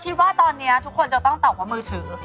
คิดว่าตอนนี้ทุกคนจะต้องตอบว่ามือถือ